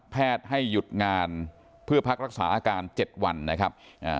แพทย์ให้หยุดงานเพื่อพักรักษาอาการ๗วันนะครับ